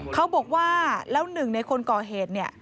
เขาบอกว่าแล้วหนึ่งในคนก่อเหตุเนี่ย